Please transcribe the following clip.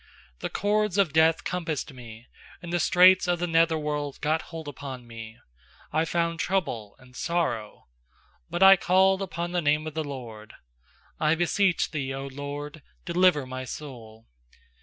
3The cords of death compassed me, And the straits of the nether worlc got hold upon me; I found trouble and sorrow. 4But I called upon the name of th* LORD: 'I beseech Thee, 0 LORD, delivei my soul.